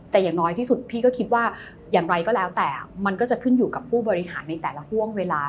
แต่อย่างน้อยที่สุดพี่ก็คิดว่าอย่างไรก็แล้วแต่มันก็จะขึ้นอยู่กับผู้บริหารในแต่ละห่วงเวลา